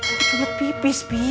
itu buat pipis pi